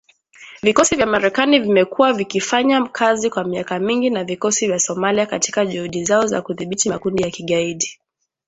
Vikosi vya Marekani vimekuwa vikifanya kazi kwa miaka mingi na vikosi vya Somalia katika juhudi zao za kudhibiti makundi ya kigaidi.